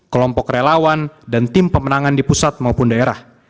kelompok relawan dan tim pemenangan di pusat maupun daerah